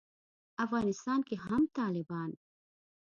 افغانستان کې هم طالبان